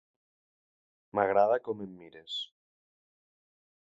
M'agrada com em mires.